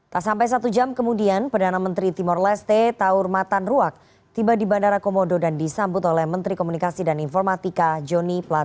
tak sampai satu jam kemudian perdana menteri timur leste taur matan ruak tiba di bandara komodo dan disambut oleh menteri komunikasi dan informatika joni platform